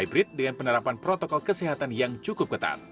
hybrid dengan penerapan protokol kesehatan yang cukup ketat